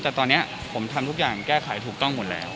แต่ตอนนี้ผมทำทุกอย่างแก้ไขถูกต้องหมดแล้ว